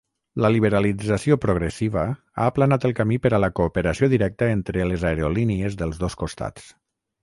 La liberalització progressiva ha aplanat el camí per a la cooperació directa entre les aerolínies dels dos costats.